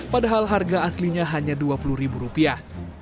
padahal harga aslinya hanya dua puluh ribu rupiah